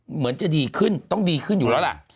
เหมือนจะดีขึ้นต้องดีขึ้นอยู่แล้วล่ะ